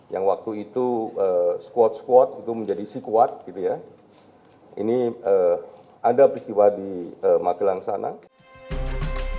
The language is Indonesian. yang waktu itu squad squad itu menjadi sikuat gede ini ada peristiwa di magelang sana hai hai